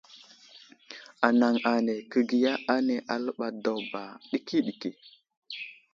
Anaŋ ane kəbiya ane aləɓay daw ba ɗikiɗiki.